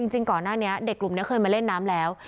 จริงก่อนหน้านี้เด็กกลุ่มนี้เคยมาเล่นน้ำแล้ว